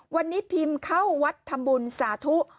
วันนี้พิมพ์เข้าวัดทำบุญสาธุ